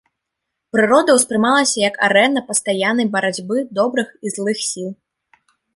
Прырода ўспрымалася як арэна пастаяннай барацьбы добрых і злых сіл.